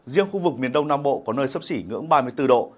riêng khu vực miền đông nam bộ có nơi sấp xỉ ngưỡng ba mươi bốn độ